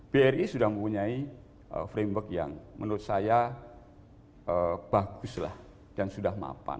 bri sudah mempunyai framework yang menurut saya baguslah dan sudah mapan